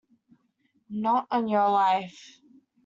Not on your life!